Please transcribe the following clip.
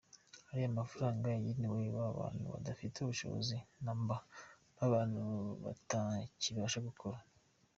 Ariya mafaranga yagenewe ba bantu badafite ubushobozi na mba, ba bantu batakibasha gukora.